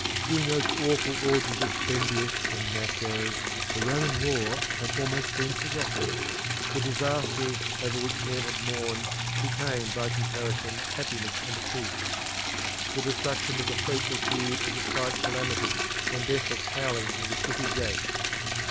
During those awful orgies of Spendius and Matho, the Roman war had almost been forgotten; the disasters over which men had mourned became by comparison happiness and peace. The destruction of the fleet was viewed as a slight calamity when death was howling at the city gates.